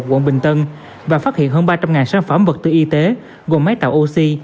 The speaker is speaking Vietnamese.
quận bình tân và phát hiện hơn ba trăm linh sản phẩm vật tư y tế gồm máy tạo oxy